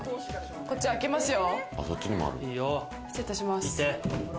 こっち開けますよ。